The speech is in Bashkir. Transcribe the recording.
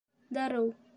Дарыу